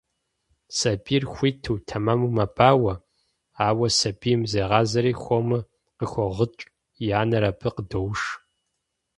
Сабийр хуиту, тэмэму мэбауэ, ауэ сабийм зегъазэри хуэму къыхогъыкӀ, и анэр абы къыдоуш.